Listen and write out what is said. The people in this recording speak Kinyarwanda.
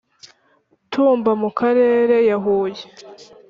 Tumba mu karere ya Huye.